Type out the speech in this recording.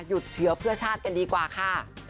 เชื้อเพื่อชาติกันดีกว่าค่ะ